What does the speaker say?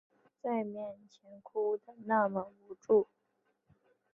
在面前哭的那么无助